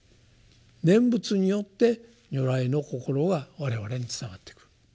念仏によって如来の心が我々に伝わってくる。